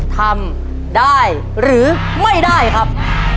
ทำได้หรือไม่ได้ครับ